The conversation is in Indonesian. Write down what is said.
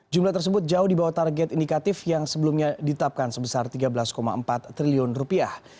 jumlah tersebut jauh di bawah target indikatif yang sebelumnya ditapkan sebesar tiga belas empat triliun rupiah